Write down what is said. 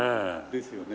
ですよね。